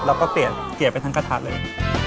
เราก็เปลี่ยนเปลี่ยนไปทั้งกระทะเลย